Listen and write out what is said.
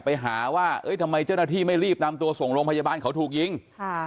ไปหาว่าเอ้ยทำไมเจ้าหน้าที่ไม่รีบนำตัวส่งโรงพยาบาลเขาถูกยิงค่ะ